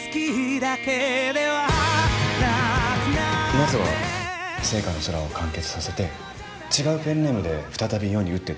まずは『ＳＥＩＫＡの空』を完結させて違うペンネームで再び世に打って出るんだ。